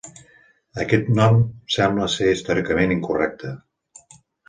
Aquest nom sembla ser històricament incorrecte.